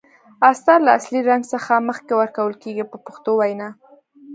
استر له اصلي رنګ څخه مخکې ورکول کیږي په پښتو وینا.